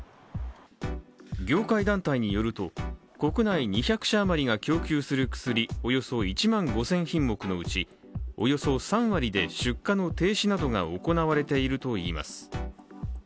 業界団体によると、国内２００社余りが供給する薬、およそ１万５０００品目のうちおよそ３割で出荷の停止などが行われているといいます。